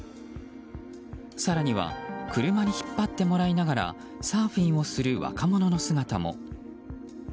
更には車に引っ張ってもらいながらサーフィンをする若者の姿も。